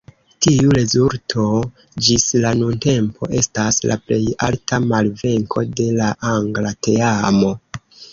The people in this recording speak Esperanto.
Tiu rezulto ĝis la nuntempo estas la plej alta malvenko de la angla teamo.